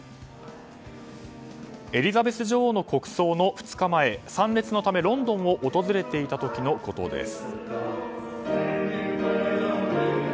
エリザベス女王の国葬の２日前参列のためロンドンを訪れていた時のことです。